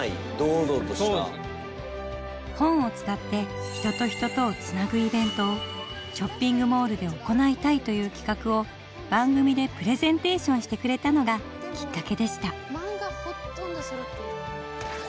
本を使って人と人とをつなぐイベントをショッピングモールで行いたいという企画を番組でプレゼンテーションしてくれたのがきっかけでした。